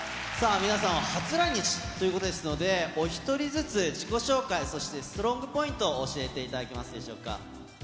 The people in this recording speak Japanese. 皆さんは初来日ということですので、お１人ずつ、自己紹介、そしてストロングポイントを教えていただけますでしょうか。